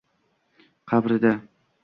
Qabrida